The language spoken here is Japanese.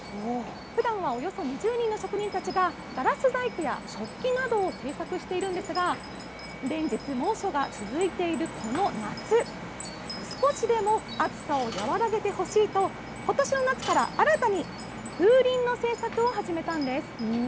ふだんはおよそ２０人の職人たちが、ガラス細工や食器などを製作しているんですが、連日、猛暑が続いているこの夏、少しでも暑さを和らげてほしいと、ことしの夏から新たに風鈴の製作を始めたんです。